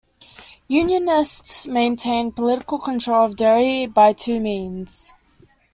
Unionists maintained political control of Derry by two means.